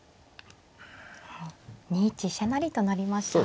２一飛車成と成りました。